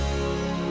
sampai jumpa lagi